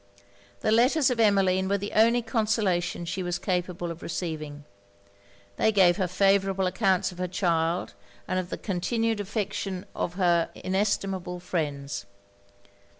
The letters of Emmeline were the only consolation she was capable of receiving. They gave her favourable accounts of her child, and of the continued affection of her inestimable friends.